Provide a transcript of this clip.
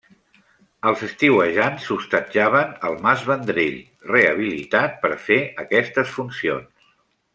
Els estiuejants s'hostatjaven al mas Vendrell, rehabilitat per fer aquestes funcions.